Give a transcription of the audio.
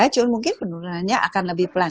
cuma mungkin penurunannya akan lebih pelan